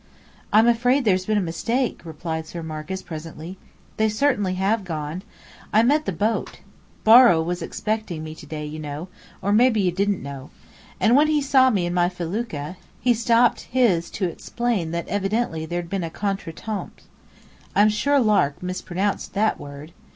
"I'm afraid there's been a mistake," replied Sir Marcus presently. "They certainly have gone. I met the boat. Borrow was expecting me to day, you know or maybe you don't know. And when he saw me in my felucca, he stopped his to explain that evidently there'd been a contretemps." (I'm sure Lark mispronounced that word!)